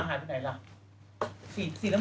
ในขวดข้างล่าง